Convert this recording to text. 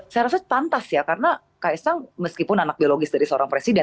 saya rasa pantas ya karena kaisang meskipun anak biologis dari seorang presiden